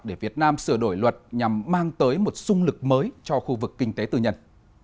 để việt nam sửa đổi luật nhằm mang tới một sung lực mới cho khu vực kinh tế tư nhân